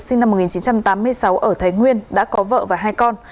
sinh năm một nghìn chín trăm tám mươi sáu ở thái nguyên đã có vợ và hai con